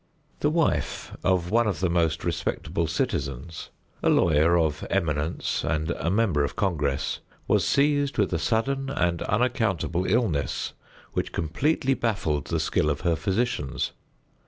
The wife of one of the most respectable citizens—a lawyer of eminence and a member of Congress—was seized with a sudden and unaccountable illness, which completely baffled the skill of her physicians.